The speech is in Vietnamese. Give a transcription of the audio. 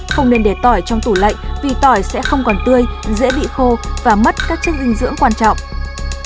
không nên để tỏi trong tủ lạnh vì tỏi sẽ không còn tươi dễ bị khô và mất các chất dinh dưỡng quan trọng